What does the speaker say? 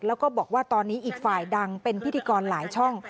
แล้วก็บอกว่าตอนนี้อีกฝ่ายดังเป็นพิธีกรหลายช่อง